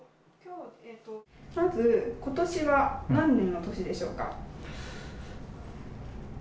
まず、ことしは何年の年でしょうか？